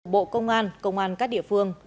bộ công an công an các địa phương